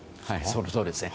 そのとおりですね。